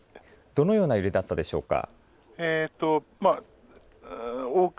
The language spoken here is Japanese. どのような揺れだったでしょうか。